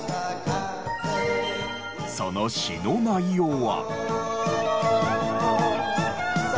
その詞の内容は。